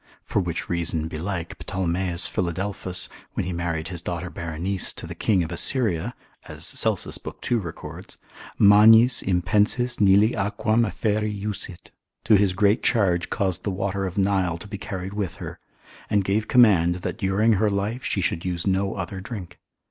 For which reason belike Ptolemeus Philadelphus, when he married his daughter Berenice to the king of Assyria (as Celsus, lib. 2. records), magnis impensis Nili aquam afferri jussit, to his great charge caused the water of Nile to be carried with her, and gave command, that during her life she should use no other drink.